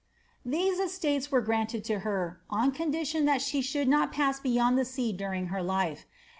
These estates were granted to her, on condition that she should not pass beyond the sea during her life.